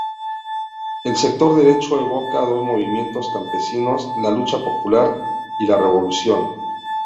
El sector derecho evoca los movimientos campesinos, la lucha popular y la revolución.